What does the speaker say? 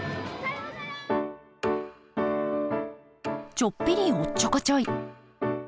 ちょっぴりおっちょこちょい。